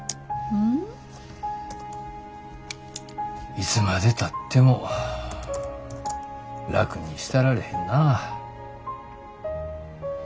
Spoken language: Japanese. いつまでたっても楽にしたられへんな。